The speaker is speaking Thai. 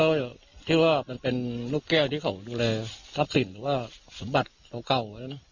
เพราะว่ามันเป็นลูกแก้วที่เขาดูแลรับสินหรือว่าสัมบัติเท่าเก่า